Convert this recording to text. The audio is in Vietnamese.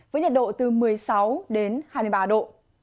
với nhiệt độ từ một mươi sáu đến hai mươi ba độ